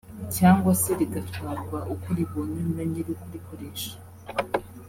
cyangwa se rigatwarwa uko ribonye na nyir’ukurikoresha